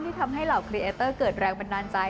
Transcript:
ทำให้เหล่าครีเอเตอร์เกิดแรงบันดาลใจ